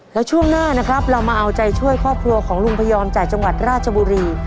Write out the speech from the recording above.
แล้วช่วงหน้านะครับเรามาเอาใจช่วยครอบครัวของลุงพยอมจากจังหวัดราชบุรี